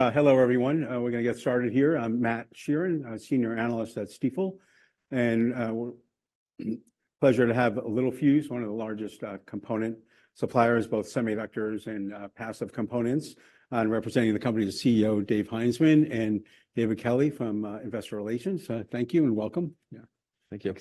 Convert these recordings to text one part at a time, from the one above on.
Hello, everyone. We're gonna get started here. I'm Matt Sheerin, a senior analyst at Stifel. Pleasure to have Littelfuse, one of the largest component suppliers, both semiconductors and passive components. Representing the company is CEO Dave Heinzmann and David Kelley from Investor Relations. Thank you and welcome. Yeah. Thank you.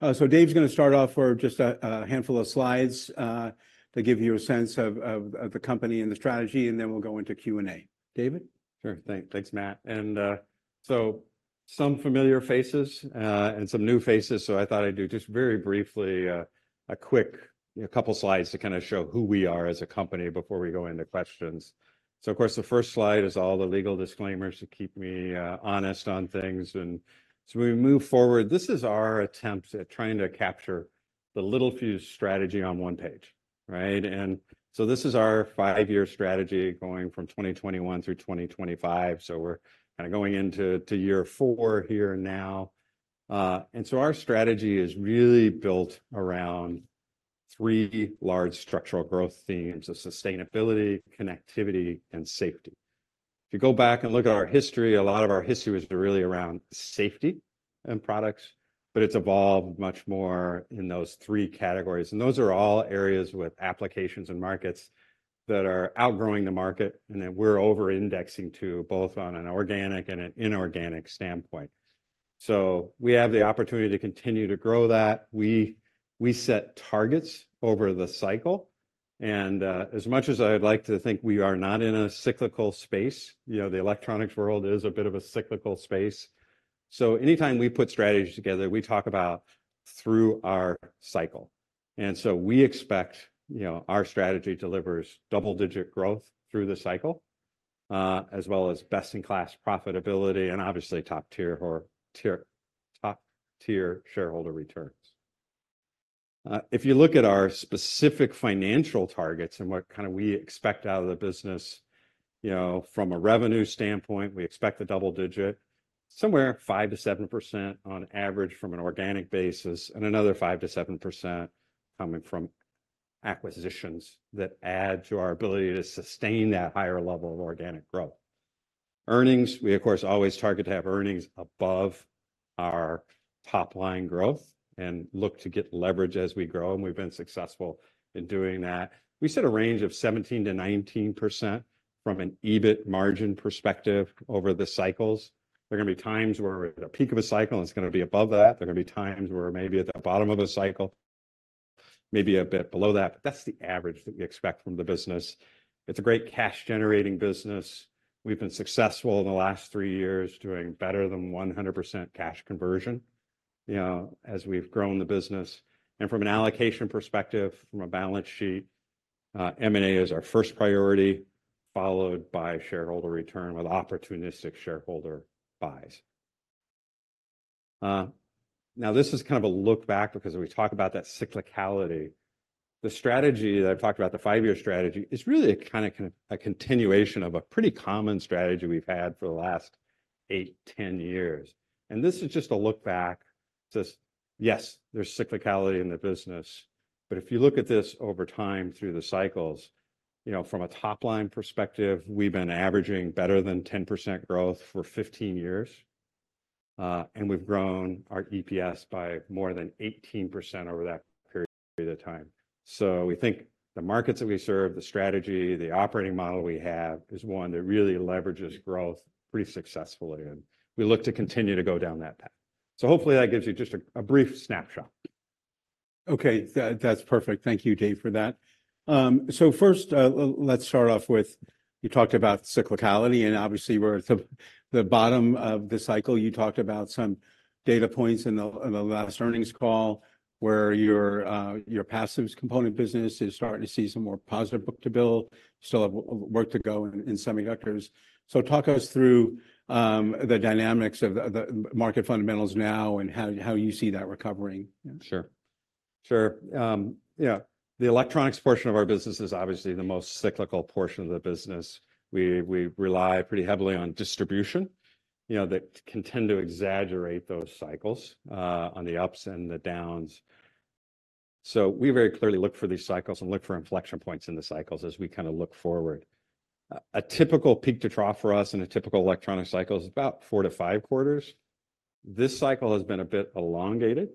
Thanks. So Dave's gonna start off for just a handful of slides to give you a sense of the company and the strategy, and then we'll go into Q&A. David? Sure. Thanks, Matt. And, so some familiar faces, and some new faces, so I thought I'd do just very briefly, a quick, a couple slides to kind of show who we are as a company before we go into questions. So of course, the first slide is all the legal disclaimers to keep me, honest on things. And so as we move forward, this is our attempt at trying to capture the Littelfuse strategy on one page, right? And so this is our five-year strategy going from 2021 through 2025, so we're kind of going into year four here now. And so our strategy is really built around three large structural growth themes of sustainability, connectivity, and safety. If you go back and look at our history, a lot of our history was really around safety and products, but it's evolved much more in those three categories. And those are all areas with applications and markets that are outgrowing the market and that we're over-indexing to, both on an organic and an inorganic standpoint. So we have the opportunity to continue to grow that. We set targets over the cycle, and as much as I'd like to think we are not in a cyclical space, you know, the electronics world is a bit of a cyclical space. So anytime we put strategies together, we talk about through our cycle. And so we expect, you know, our strategy delivers double-digit growth through the cycle, as well as best-in-class profitability and obviously top tier or tier, top tier shareholder returns. If you look at our specific financial targets and what kind of we expect out of the business, you know, from a revenue standpoint, we expect a double-digit, somewhere 5%-7% on average from an organic basis, and another 5%-7% coming from acquisitions that add to our ability to sustain that higher level of organic growth. Earnings, we, of course, always target to have earnings above our top line growth and look to get leverage as we grow, and we've been successful in doing that. We set a range of 17%-19% from an EBIT margin perspective over the cycles. There are gonna be times where we're at a peak of a cycle, and it's gonna be above that. There are gonna be times where maybe at the bottom of a cycle, maybe a bit below that, but that's the average that we expect from the business. It's a great cash-generating business. We've been successful in the last three years, doing better than 100% cash conversion, you know, as we've grown the business. And from an allocation perspective, from a balance sheet, M&A is our first priority, followed by shareholder return with opportunistic shareholder buys. Now, this is kind of a look back because we talk about that cyclicality. The strategy that I've talked about, the five-year strategy, is really a kind of, kind of a continuation of a pretty common strategy we've had for the last 8-10 years. This is just a look back to, yes, there's cyclicality in the business, but if you look at this over time through the cycles, you know, from a top-line perspective, we've been averaging better than 10% growth for 15 years, and we've grown our EPS by more than 18% over that period of time. So we think the markets that we serve, the strategy, the operating model we have, is one that really leverages growth pretty successfully, and we look to continue to go down that path. So hopefully that gives you just a brief snapshot. Okay, that's perfect. Thank you, Dave, for that. So first, let's start off with, you talked about cyclicality, and obviously we're at the bottom of the cycle. You talked about some data points in the last earnings call, where your passive components business is starting to see some more positive book-to-bill, still have work to go in semiconductors. So talk us through the dynamics of the market fundamentals now and how you see that recovering? Sure. Sure, yeah. The electronics portion of our business is obviously the most cyclical portion of the business. We, we rely pretty heavily on distribution, you know, that can tend to exaggerate those cycles, on the ups and the downs. So we very clearly look for these cycles and look for inflection points in the cycles as we kind of look forward. A typical peak to trough for us in a typical electronic cycle is about 4-5 quarters. This cycle has been a bit elongated,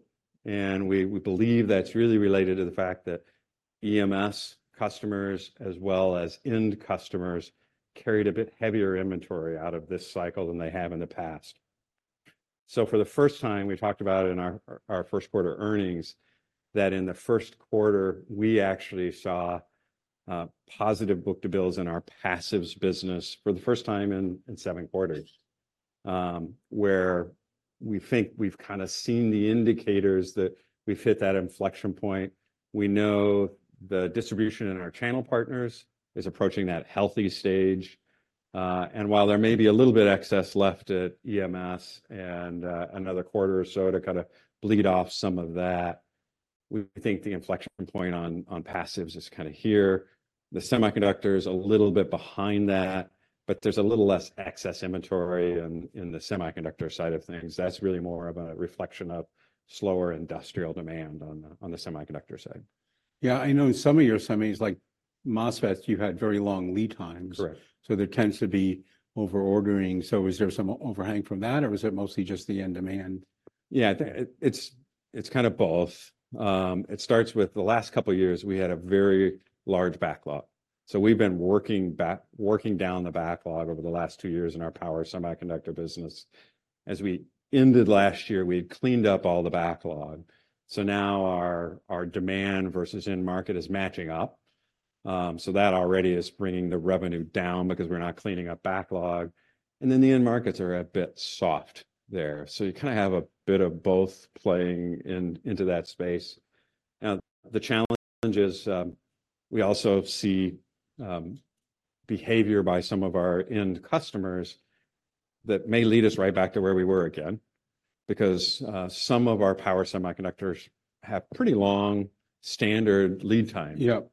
and we, we believe that's really related to the fact that EMS customers, as well as end customers, carried a bit heavier inventory out of this cycle than they have in the past. So for the first time, we talked about it in our first quarter earnings, that in the first quarter we actually saw positive book-to-bill in our passives business for the first time in seven quarters. Where we think we've kind of seen the indicators that we've hit that inflection point. We know the distribution in our channel partners is approaching that healthy stage, and while there may be a little bit of excess left at EMS and another quarter or so to kind of bleed off some of that, we think the inflection point on passives is kind of here. The semiconductors a little bit behind that, but there's a little less excess inventory in the semiconductor side of things. That's really more of a reflection of slower industrial demand on the semiconductor side. Yeah, I know in some of your semis, like MOSFETs, you've had very long lead times. Correct. There tends to be over-ordering. Is there some overhang from that, or is it mostly just the end demand? Yeah, it's kind of both. It starts with the last couple of years, we had a very large backlog, so we've been working down the backlog over the last two years in our power semiconductor business. As we ended last year, we had cleaned up all the backlog, so now our demand versus end market is matching up. So that already is bringing the revenue down because we're not cleaning up backlog, and then the end markets are a bit soft there. So you kind of have a bit of both playing into that space. Now, the challenge is, we also see behavior by some of our end customers that may lead us right back to where we were again, because some of our power semiconductors have pretty long standard lead time. Yep.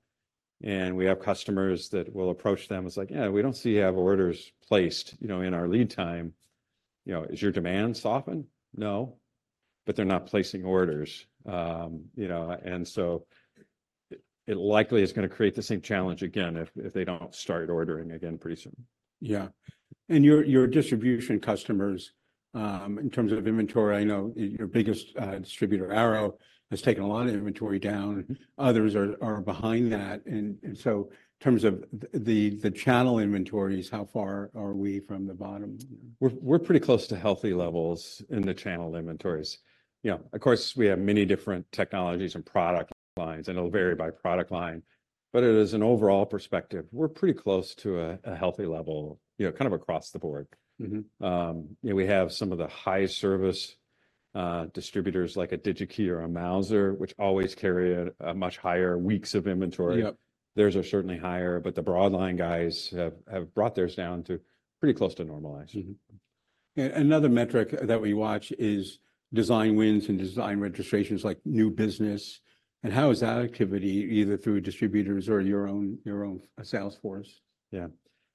We have customers that will approach them. It's like, "Yeah, we don't see you have orders placed, you know, in our lead time. You know, is your demand softened?" "No," but they're not placing orders. You know, and so it likely is going to create the same challenge again if they don't start ordering again pretty soon. Yeah. And your distribution customers, in terms of inventory, I know your biggest distributor, Arrow, has taken a lot of inventory down, and others are behind that. And so in terms of the channel inventories, how far are we from the bottom? We're pretty close to healthy levels in the channel inventories. You know, of course, we have many different technologies and product lines, and it'll vary by product line, but it is an overall perspective. We're pretty close to a healthy level, you know, kind of across the board. Mm-hmm. You know, we have some of the high-service distributors like a Digi-Key or a Mouser, which always carry much higher weeks of inventory. Yep. Theirs are certainly higher, but the broad line guys have brought theirs down to pretty close to normal actually. Another metric that we watch is design wins and design registrations, like new business. And how is that activity, either through distributors or your own, your own sales force? Yeah.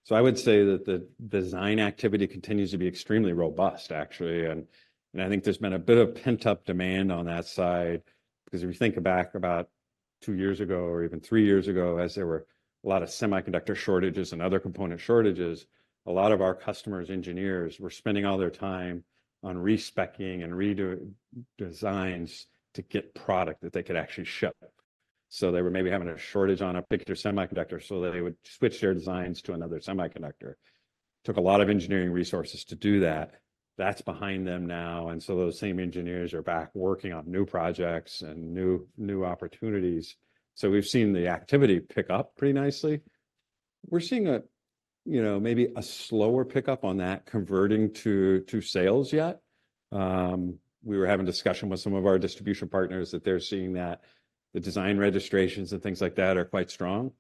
So I would say that the design activity continues to be extremely robust, actually. And I think there's been a bit of pent-up demand on that side, because if you think back about two years ago or even three years ago, as there were a lot of semiconductor shortages and other component shortages, a lot of our customers' engineers were spending all their time on re-spec-ing and redo designs to get product that they could actually ship. So they were maybe having a shortage on a particular semiconductor, so they would switch their designs to another semiconductor. Took a lot of engineering resources to do that. That's behind them now, and so those same engineers are back working on new projects and new opportunities. So we've seen the activity pick up pretty nicely. We're seeing a, you know, maybe a slower pickup on that converting to, to sales yet. We were having a discussion with some of our distribution partners that they're seeing that the design registrations and things like that are quite strong.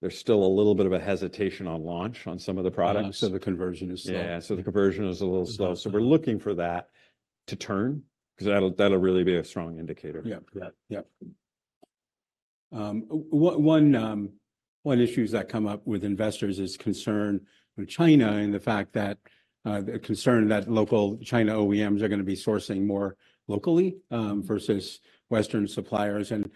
There's still a little bit of a hesitation on launch on some of the products. The conversion is slow. Yeah, so the conversion is a little slow. So we're looking for that to turn, 'cause that'll really be a strong indicator. Yeah. Yeah. Yep. One issue that comes up with investors is concern with China and the fact that the concern that local China OEMs are going to be sourcing more locally versus Western suppliers. And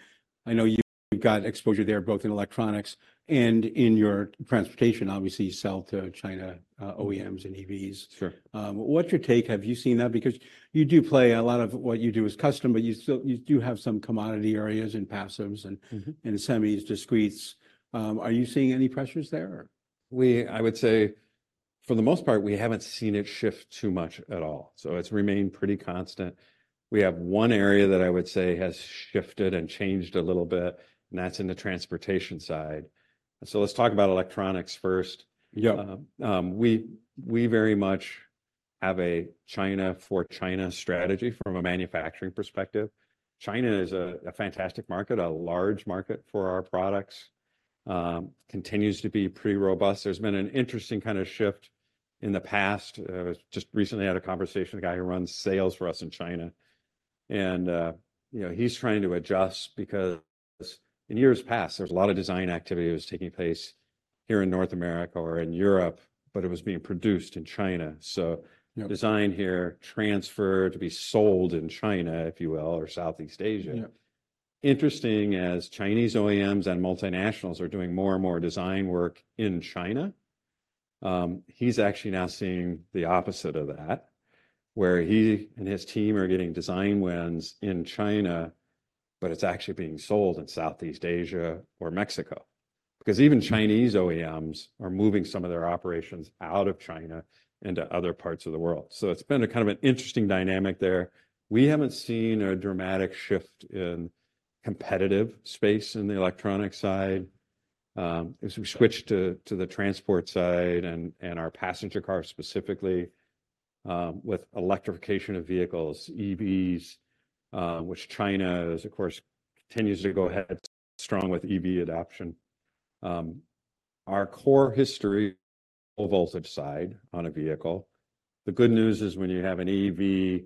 I know you've got exposure there, both in electronics and in your transportation. Obviously, you sell to China OEMs and EVs. Sure. What's your take? Have you seen that? Because you do play a lot of what you do is custom, but you still- you do have some commodity areas in passives and. Mm-hmm. And semis, discretes. Are you seeing any pressures there? I would say, for the most part, we haven't seen it shift too much at all, so it's remained pretty constant. We have one area that I would say has shifted and changed a little bit, and that's in the transportation side. So let's talk about electronics first. Yeah. We very much have a China for China strategy from a manufacturing perspective. China is a fantastic market, a large market for our products. Continues to be pretty robust. There's been an interesting kind of shift in the past. Just recently had a conversation with a guy who runs sales for us in China, and you know, he's trying to adjust because in years past, there was a lot of design activity that was taking place here in North America or in Europe, but it was being produced in China. So. Yep. Design here, transferred to be sold in China, if you will, or Southeast Asia. Yep. Interesting, as Chinese OEMs and multinationals are doing more and more design work in China, he's actually now seeing the opposite of that, where he and his team are getting design wins in China, but it's actually being sold in Southeast Asia or Mexico. Because even Chinese OEMs are moving some of their operations out of China into other parts of the world. So it's been a kind of an interesting dynamic there. We haven't seen a dramatic shift in competitive space in the electronic side. As we switch to the transport side and our passenger cars specifically, with electrification of vehicles, EVs, which China is, of course, continues to go ahead strong with EV adoption. Our core high voltage side on a vehicle, the good news is when you have an EV,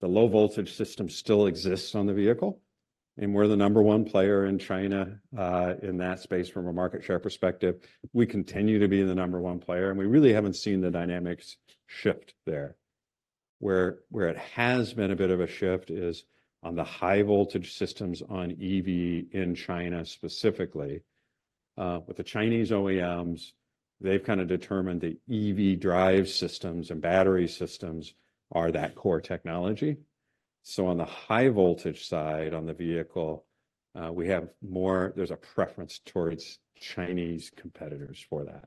the low-voltage system still exists on the vehicle, and we're the No. 1 player in China, in that space from a market share perspective. We continue to be the No. 1 player, and we really haven't seen the dynamics shift there, where it has been a bit of a shift is on the high-voltage systems on EV in China, specifically. With the Chinese OEMs, they've kind of determined the EV drive systems and battery systems are that core technology. So on the high-voltage side, on the vehicle, we have more, there's a preference towards Chinese competitors for that.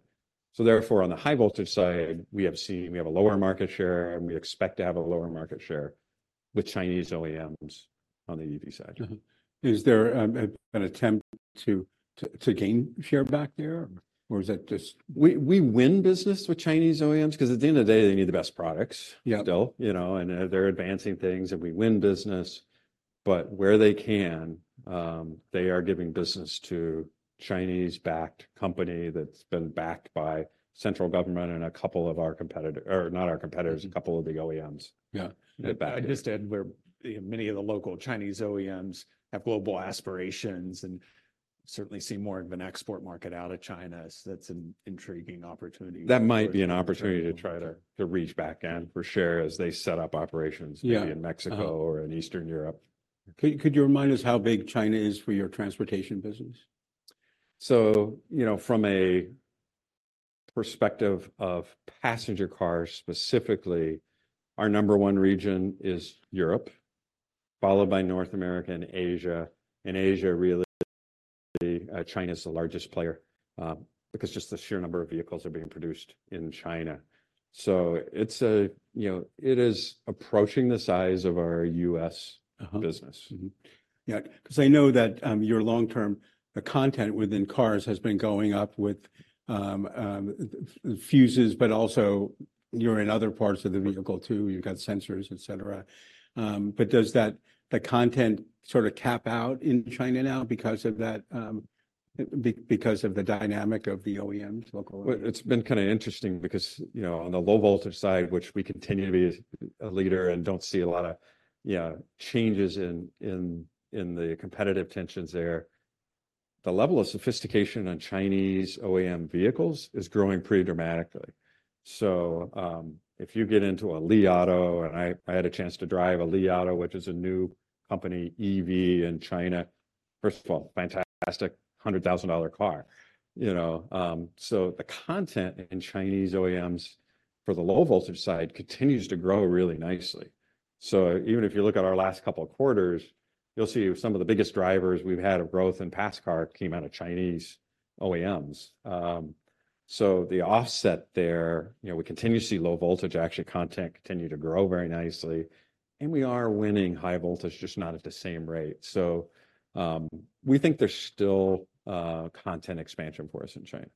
Therefore, on the high-voltage side, we have seen, we have a lower market share, and we expect to have a lower market share with Chinese OEMs on the EV side. Mm-hmm. Is there an attempt to gain share back there, or is that just. We win business with Chinese OEMs, 'cause at the end of the day, they need the best products. Yeah. Still, you know, and they're advancing things, and we win business. But where they can, they are giving business to Chinese-backed company that's been backed by central government and a couple of our competitor, or not our competitors, a couple of the OEMs. Yeah. I'd just add where many of the local Chinese OEMs have global aspirations and certainly see more of an export market out of China. So that's an intriguing opportunity. That might be an opportunity to try to reach back in for share as they set up operations. Yeah. Maybe in Mexico or in Eastern Europe. Could you remind us how big China is for your transportation business? So, you know, from a perspective of passenger cars specifically, our number one region is Europe, followed by North America and Asia. In Asia, really, China is the largest player, because just the sheer number of vehicles are being produced in China. So it's, you know, it is approaching the size of our US. Uh-huh. Business. Mm-hmm. Yeah, 'cause I know that, your long-term content within cars has been going up with, fuses, but also you're in other parts of the vehicle too. You've got sensors, etc. But does that, the content sort of cap out in China now because of that, because of the dynamic of the OEMs, local OEMs? Well, it's been kind of interesting because, you know, on the low-voltage side, which we continue to be a leader and don't see a lot of, you know, changes in the competitive tensions there, the level of sophistication on Chinese OEM vehicles is growing pretty dramatically. So, if you get into a Li Auto, and I had a chance to drive a Li Auto, which is a new company, EV in China. First of all, fantastic $100,000 car, you know? So the content in Chinese OEMs for the low-voltage side continues to grow really nicely. So even if you look at our last couple of quarters, you'll see some of the biggest drivers we've had of growth in passenger car came out of Chinese OEMs. So the offset there, you know, we continue to see low voltage, actually, content continue to grow very nicely, and we are winning high voltage, just not at the same rate. So, we think there's still content expansion for us in China.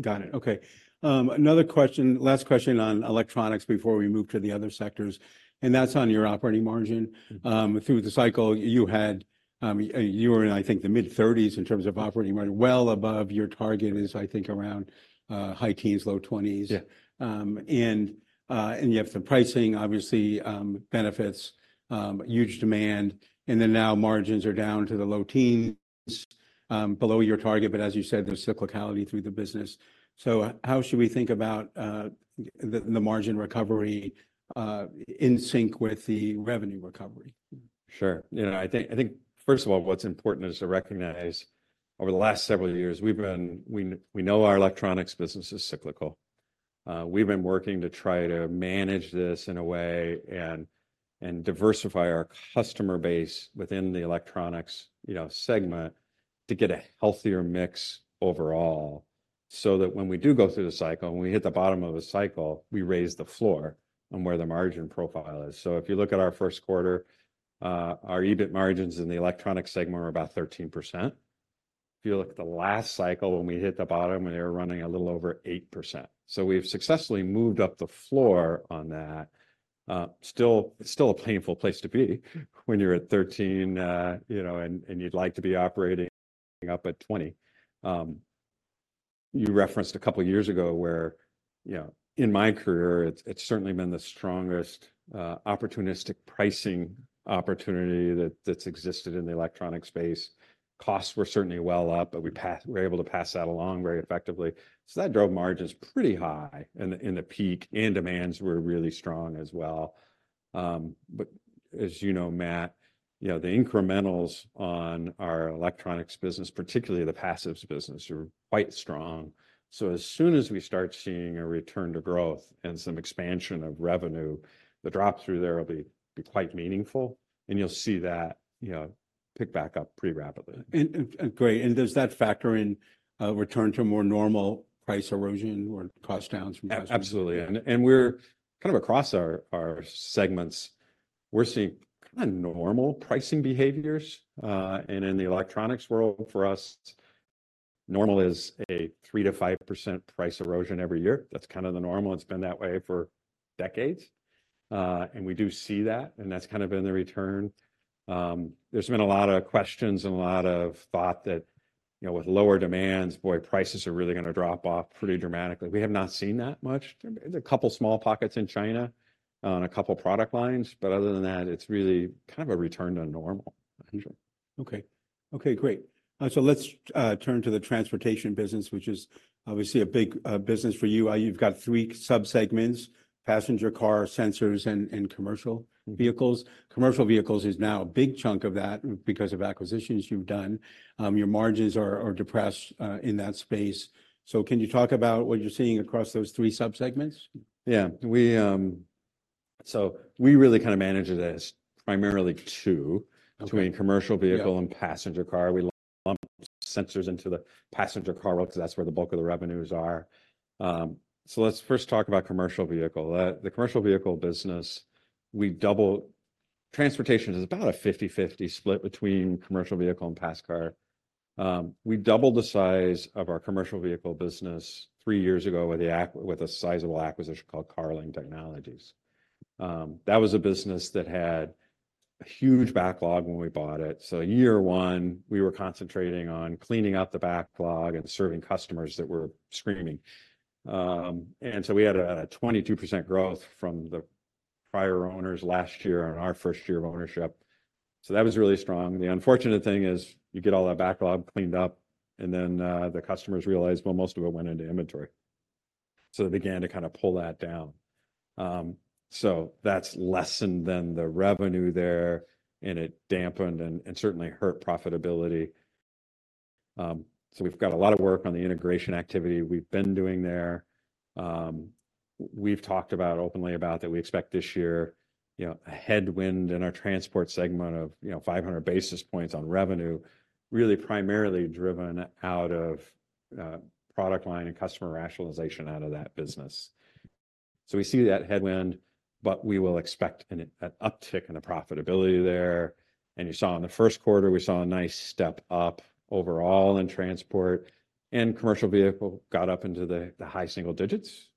Got it. Okay. Another question, last question on electronics before we move to the other sectors, and that's on your operating margin. Mm-hmm. Through the cycle you had, you were in, I think, the mid-30s in terms of operating margin, well above your target is, I think, around high teens, low 20s. Yeah. And you have the pricing obviously benefits, huge demand, and then now margins are down to the low teens, below your target. But as you said, there's cyclicality through the business. So how should we think about the margin recovery in sync with the revenue recovery? Sure. You know, I think first of all, what's important is to recognize over the last several years, we've been, we know our electronics business is cyclical. We've been working to try to manage this in a way and diversify our customer base within the electronics, you know, segment, to get a healthier mix overall. So that when we do go through the cycle, when we hit the bottom of a cycle, we raise the floor on where the margin profile is. So if you look at our first quarter, our EBIT margins in the electronics segment were about 13%. If you look at the last cycle when we hit the bottom, and they were running a little over 8%. So we've successfully moved up the floor on that. Still, it's still a painful place to be when you're at 13, you know, and you'd like to be operating up at 20. You referenced a couple of years ago where, you know, in my career, it's certainly been the strongest opportunistic pricing opportunity that's existed in the electronic space. Costs were certainly well up, but we were able to pass that along very effectively. So that drove margins pretty high in the peak, and demands were really strong as well. But as you know, Matt, you know, the incrementals on our electronics business, particularly the passives business, are quite strong. So as soon as we start seeing a return to growth and some expansion of revenue, the drop through there will be quite meaningful, and you'll see that, you know, pick back up pretty rapidly. Great. And does that factor in a return to a more normal price erosion or cost downs from customers? Ab-absolutely. Yeah. We're kind of across our segments, we're seeing kind of normal pricing behaviors. And in the electronics world, for us, normal is a 3%-5% price erosion every year. That's kind of the normal. It's been that way for decades, and we do see that, and that's kind of been the return. There's been a lot of questions and a lot of thought that, you know, with lower demands, boy, prices are really gonna drop off pretty dramatically. We have not seen that much. There's a couple small pockets in China on a couple product lines, but other than that, it's really kind of a return to normal. Okay, great. So let's turn to the transportation business, which is obviously a big business for you. You've got three subsegments: passenger car, sensors, and commercial vehicles. Commercial vehicles is now a big chunk of that because of acquisitions you've done. Your margins are depressed in that space. So can you talk about what you're seeing across those three subsegments? Yeah. We, so we really kind of manage it as primarily two. Okay. Between commercial vehicle. Yeah. And passenger car. We lump sensors into the passenger car world because that's where the bulk of the revenues are. So let's first talk about commercial vehicle. The commercial vehicle business, Transportation is about a 50/50 split between commercial vehicle and pass car. We doubled the size of our commercial vehicle business three years ago with a sizable acquisition called Carling Technologies. That was a business that had a huge backlog when we bought it. So year one, we were concentrating on cleaning up the backlog and serving customers that were screaming. And so we had a 22% growth from the prior owners last year on our first year of ownership, so that was really strong. The unfortunate thing is, you get all that backlog cleaned up, and then, the customers realize, well, most of it went into inventory. So they began to kind of pull that down. So that's lessened the revenue there, and it dampened and certainly hurt profitability. So we've got a lot of work on the integration activity we've been doing there. We've talked about, openly about, that we expect this year, you know, a headwind in our transport segment of, you know, 500 basis points on revenue, really primarily driven out of product line and customer rationalization out of that business. So we see that headwind, but we will expect an uptick in the profitability there. You saw in the first quarter, we saw a nice step up overall in transport, and commercial vehicle got up into the high single digits,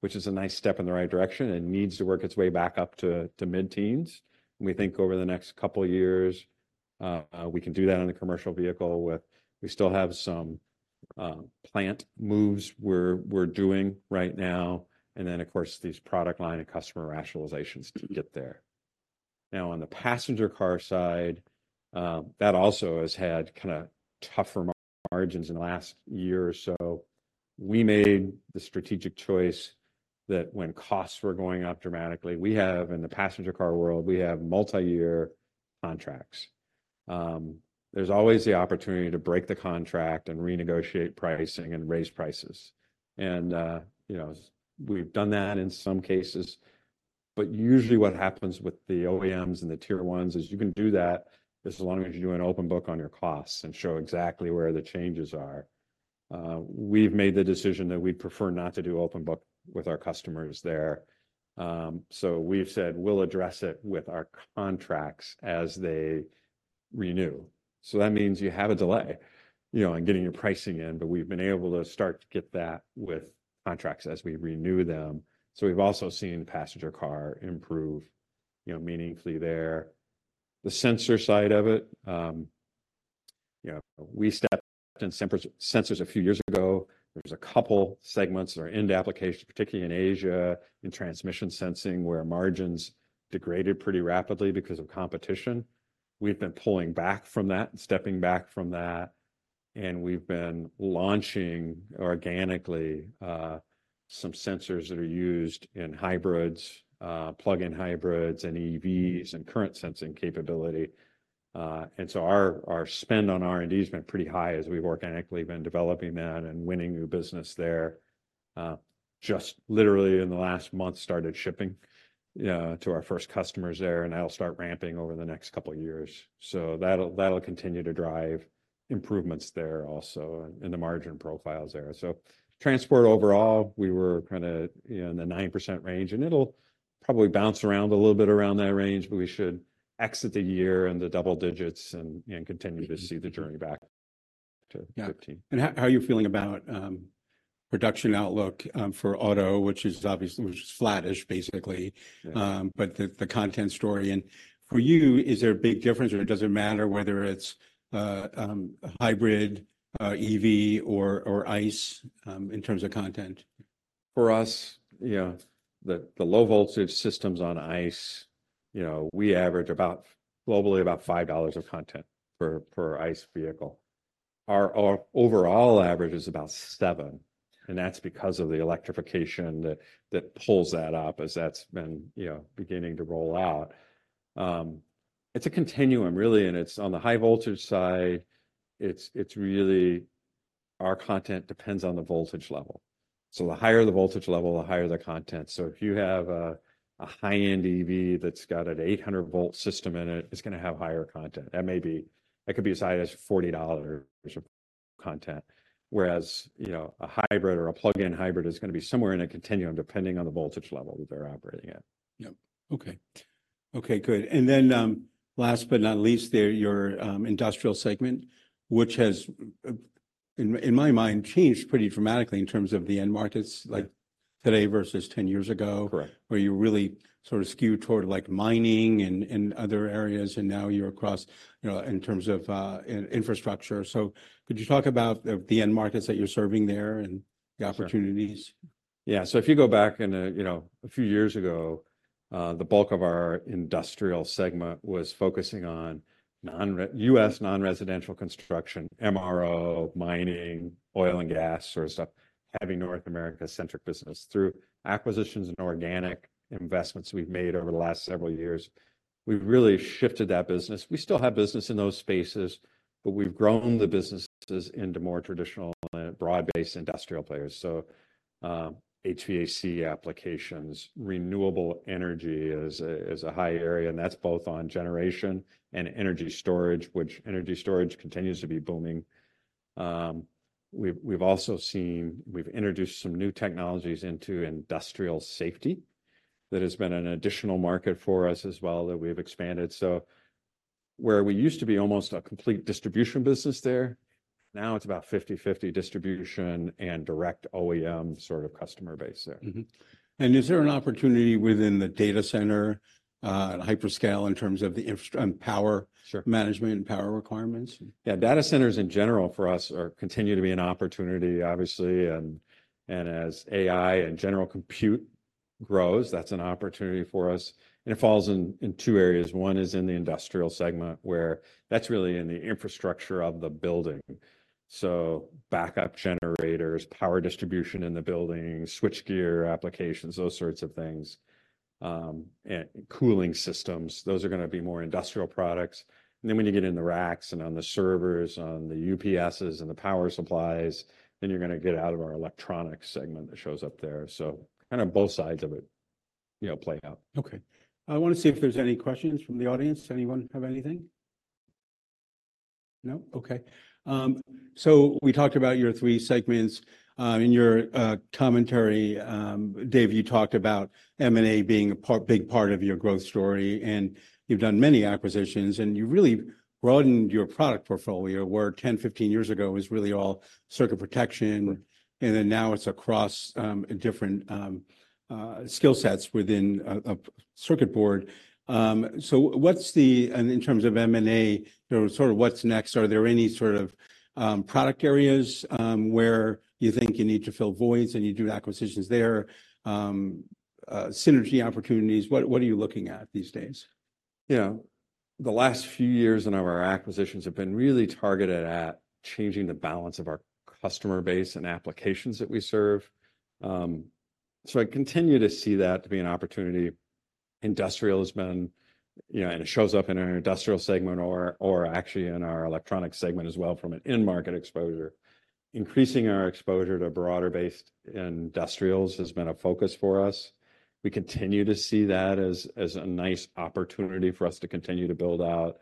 which is a nice step in the right direction and needs to work its way back up to mid-teens. We think over the next couple of years, we can do that on a commercial vehicle with. We still have some plant moves we're doing right now, and then, of course, these product line and customer rationalizations to get there. Now, on the passenger car side, that also has had kinda tougher margins in the last year or so. We made the strategic choice that when costs were going up dramatically, we have, in the passenger car world, we have multiyear contracts. There's always the opportunity to break the contract and renegotiate pricing and raise prices, and, you know, we've done that in some cases. But usually, what happens with the OEMs and the tier ones is you can do that just as long as you do an open book on your costs and show exactly where the changes are. We've made the decision that we'd prefer not to do open book with our customers there. So we've said we'll address it with our contracts as they renew. So that means you have a delay, you know, on getting your pricing in, but we've been able to start to get that with contracts as we renew them. So we've also seen passenger car improve, you know, meaningfully there. The sensor side of it, you know, we stepped in sensors a few years ago. There was a couple segments that are end applications, particularly in Asia, in transmission sensing, where margins degraded pretty rapidly because of competition. We've been pulling back from that and stepping back from that, and we've been launching organically some sensors that are used in hybrids, plug-in hybrids and EVs and current sensing capability. And so our spend on R&D has been pretty high as we've organically been developing that and winning new business there. Just literally in the last month, started shipping to our first customers there, and that'll start ramping over the next couple of years. So that'll continue to drive improvements there also in the margin profiles there. Transport overall, we were kinda in the 9% range, and it'll probably bounce around a little bit around that range, but we should exit the year in the double digits and continue to see the journey back to 15. Yeah. And how, how are you feeling about production outlook for auto, which is obviously, which is flattish, basically? Yeah. But the content story. And for you, is there a big difference, or does it matter whether it's hybrid, EV, or ICE, in terms of content? For us, yeah, the low-voltage systems on ICE, you know, we average about, globally, about $5 of content per ICE vehicle. Our overall average is about $7, and that's because of the electrification that pulls that up as that's been, you know, beginning to roll out. It's a continuum, really, and it's on the high-voltage side, it's really, our content depends on the voltage level. So the higher the voltage level, the higher the content. So if you have a high-end EV that's got an 800-volt system in it, it's gonna have higher content. That may be, that could be as high as $40 of content, whereas, you know, a hybrid or a plug-in hybrid is gonna be somewhere in a continuum, depending on the voltage level that they're operating at. Yep. Okay. Okay, good. And then, last but not least, there, your industrial segment, which has, in my mind, changed pretty dramatically in terms of the end markets. Yeah. Like today versus 10 years ago. Correct. Where you really sort of skewed toward, like, mining and other areas, and now you're across, you know, in terms of infrastructure. So could you talk about the end markets that you're serving there and the opportunities? Yeah, so if you go back in a, you know, a few years ago, the bulk of our industrial segment was focusing on non-U.S. non-residential construction, MRO, mining, oil and gas sort of stuff, having North America-centric business. Through acquisitions and organic investments we've made over the last several years, we've really shifted that business. We still have business in those spaces, but we've grown the businesses into more traditional and broad-based industrial players. So, HVAC applications, renewable energy is a, is a high area, and that's both on generation and energy storage, which energy storage continues to be booming. We've also seen, we've introduced some new technologies into industrial safety. That has been an additional market for us as well that we've expanded. So where we used to be almost a complete distribution business there, now it's about 50/50 distribution and direct OEM sort of customer base there. Mm-hmm. And is there an opportunity within the data center and hyperscale in terms of the infrastructure and power? Sure. management and power requirements? Yeah, data centers in general for us are continue to be an opportunity, obviously, and, and as AI and general compute grows, that's an opportunity for us. And it falls in, in two areas. One is in the industrial segment, where that's really in the infrastructure of the building, so backup generators, power distribution in the building, switchgear applications, those sorts of things, and cooling systems. Those are gonna be more industrial products. And then when you get in the racks and on the servers, on the UPSs and the power supplies, then you're gonna get out of our electronics segment that shows up there, so kind of both sides of it, you know, play out. Okay. I want to see if there's any questions from the audience. Anyone have anything? No? Okay. So we talked about your three segments. In your commentary, Dave, you talked about M&A being a big part of your growth story, and you've done many acquisitions, and you really broadened your product portfolio, where 10, 15 years ago, it was really all circuit protection, and then now it's across different skill sets within a circuit board. So what's the. And in terms of M&A, you know, sort of what's next? Are there any sort of product areas where you think you need to fill voids, and you do acquisitions there, synergy opportunities? What are you looking at these days? Yeah. The last few years in our acquisitions have been really targeted at changing the balance of our customer base and applications that we serve. So I continue to see that to be an opportunity. Industrial has been, you know, and it shows up in our industrial segment or actually in our electronic segment as well, from an in-market exposure. Increasing our exposure to broader-based industrials has been a focus for us. We continue to see that as a nice opportunity for us to continue to build out.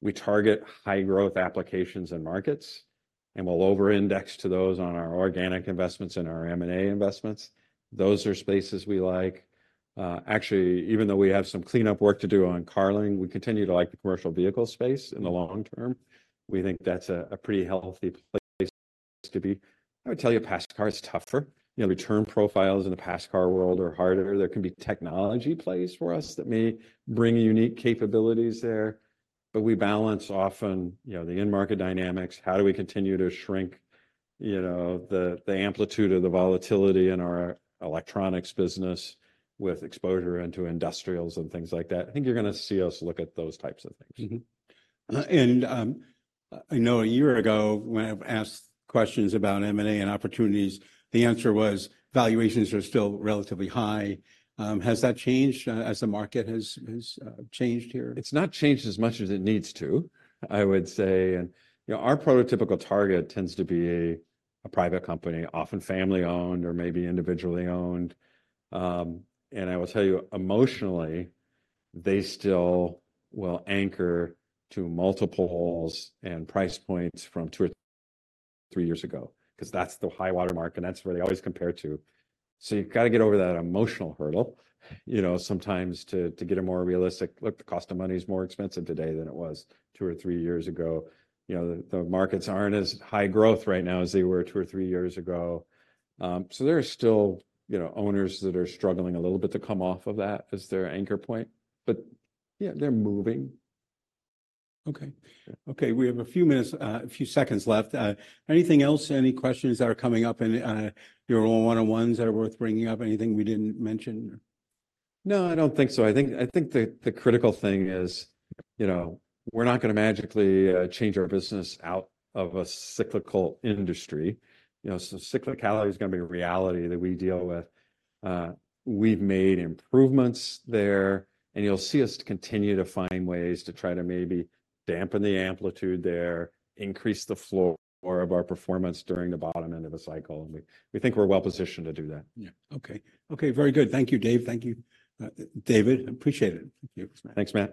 We target high-growth applications and markets, and we'll over-index to those on our organic investments and our M&A investments. Those are spaces we like. Actually, even though we have some cleanup work to do on Carling, we continue to like the commercial vehicle space in the long term. We think that's a pretty healthy place to be. I would tell you, passenger car is tougher. You know, return profiles in the passenger car world are harder. There can be technology plays for us that may bring unique capabilities there, but we balance often, you know, the end-market dynamics. How do we continue to shrink, you know, the amplitude of the volatility in our electronics business with exposure into industrials and things like that? I think you're gonna see us look at those types of things. Mm-hmm. And I know a year ago, when I asked questions about M&A and opportunities, the answer was valuations are still relatively high. Has that changed as the market has changed here? It's not changed as much as it needs to, I would say. You know, our prototypical target tends to be a private company, often family-owned or maybe individually owned. And I will tell you, emotionally, they still will anchor to multiples and price points from two or three years ago, 'cause that's the high water mark, and that's where they always compare to. So you've got to get over that emotional hurdle, you know, sometimes to get a more realistic. Look, the cost of money is more expensive today than it was two or three years ago. You know, the markets aren't as high growth right now as they were two or three years ago. So there are still, you know, owners that are struggling a little bit to come off of that as their anchor point, but, yeah, they're moving. Okay. Sure. Okay, we have a few minutes, a few seconds left. Anything else, any questions that are coming up in your one-on-ones that are worth bringing up? Anything we didn't mention? No, I don't think so. I think the critical thing is, you know, we're not gonna magically change our business out of a cyclical industry. You know, so cyclicality is gonna be a reality that we deal with. We've made improvements there, and you'll see us continue to find ways to try to maybe dampen the amplitude there, increase the flow more of our performance during the bottom end of a cycle, and we think we're well positioned to do that. Yeah. Okay. Okay, very good. Thank you, Dave. Thank you, David, appreciate it. Thank you. Thanks, Matt.